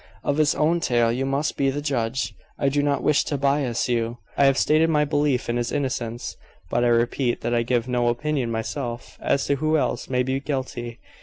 "Of his own tale you must be the judge. I do not wish to bias you. I have stated my belief in his innocence, but I repeat that I give no opinion myself as to who else may be guilty.